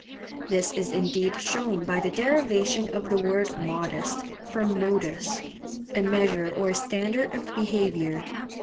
This is indeed shown by the derivation of the word modest from modus, a measure or standard of behaviour.